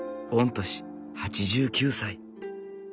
御年８９歳。